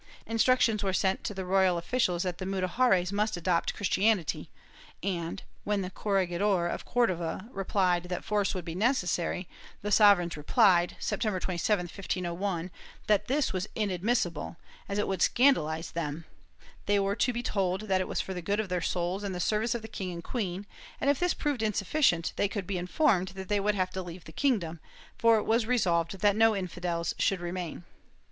Instructions were sent to the royal officials that the Mudejares must adopt Christianity and, when the corregidor of Cordova repfied that force would be necessary, the sovereigns replied, September 27, 1501, that this was inadmissible, as it would scandalize them; they were to be told that it was for the good of their souls and the service of the king and queen and, if this proved insufficient, they could be informed that they would have to leave the kingdom, for it was resolved that no infidels should remain.